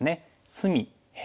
隅辺